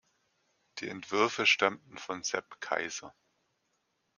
Die Entwürfe stammten von Sepp Kaiser.